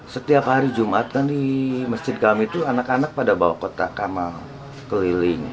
setiap hari jumat di masjid qam itu anak anak pada bawa kota kamar keliling